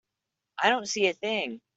I don't see a thing.